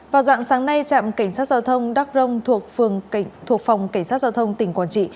vào dặn sáng nay trạm cảnh sát giao thông đắc rông thuộc phòng cảnh sát giao thông tỉnh quảng trị